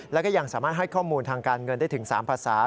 แล้วก็ยังสามารถให้ข้อมูลทางการเงินได้ถึง๓ภาษา